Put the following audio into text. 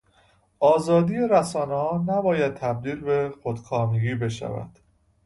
آزادی رسانهها نباید تبدیل به خود کامگی بشود.